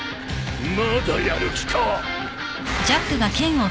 まだやる気か！